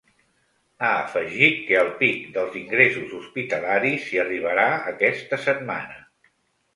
Ha afegit que al pic dels ingressos hospitalaris s’hi arribarà aquesta setmana.